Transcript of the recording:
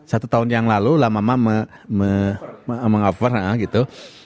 satu tahun yang lalu lama lama meng cover gitu